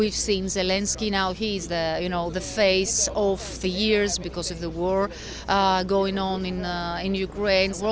kita sudah melihat zelensky sekarang dia adalah wajah tahun ini karena perang yang berlaku di ukraina